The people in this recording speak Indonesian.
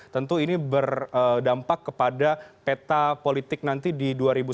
tentu ini berdampak kepada peta politik nanti di dua ribu sembilan belas